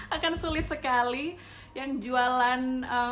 akan sulit sekali yang jualan